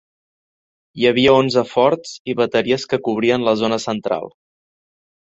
Hi havia onze forts i bateries que cobrien la zona central.